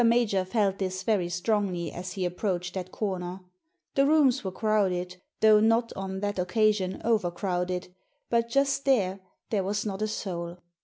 Major felt this very strongly as he approached that comer. The rooms were crowded — though not, on that occasion, overcrowded — ^but just there there was not a soul.